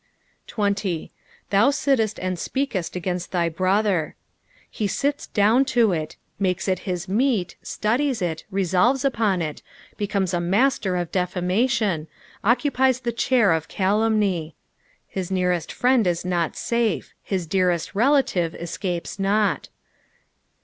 20. "Thou titteit and epeabeit against thy brother." He sits down to it, makes it his meat, studies it, resolves upon it, becomes a master of defamation, occupies the chur of calumny. His nearest friend is not ssfe, his dearest relauve escapee Dot.